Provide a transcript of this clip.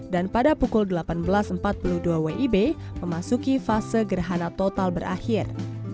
dan pada pukul delapan belas empat puluh dua wib memasuki fase gerhana total berakhir